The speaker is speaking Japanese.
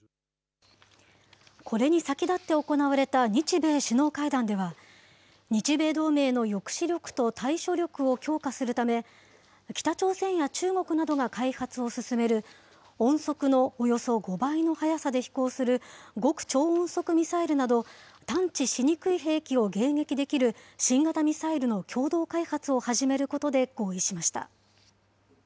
これに先立って行われた日米首脳会談では、日米同盟の抑止力と対処力を強化するため、北朝鮮や中国などが開発を進める音速のおよそ５倍の速さで飛行する極超音速ミサイルなど、探知しにくい兵器を迎撃できる新型ミサイルの共同開発を始めることで合意しました。